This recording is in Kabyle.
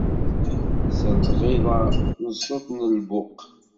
S lɣiḍa, s ṣṣut n lbuq.